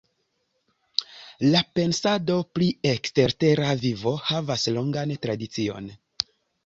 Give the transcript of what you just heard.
La pensado pri ekstertera vivo havas longan tradicion.